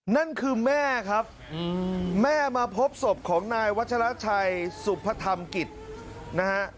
นั่นคือแม่ครับแม่มาพบศพของนายวัชราชัยสุพธรรมกิจนะฮะ